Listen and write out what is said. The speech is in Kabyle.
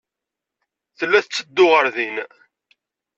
Tella tetteddu ɣer din.